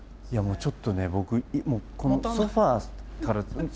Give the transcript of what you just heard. ちょっとね僕このソファーから。